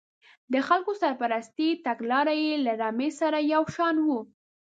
د خلکو سرپرستۍ تګلاره یې له رمې سره یو شان وه.